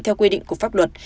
theo quy định của pháp luật